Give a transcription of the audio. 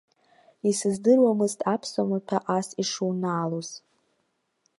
Исыздыруамызт аԥсуа маҭәа ас ишунаалоз.